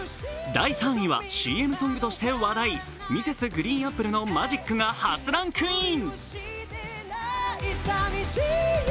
第３位は、ＣＭソングとして話題Ｍｒｓ．ＧＲＥＥＮＡＰＰＬＥの「Ｍａｇｉｃ」が初ランクイン。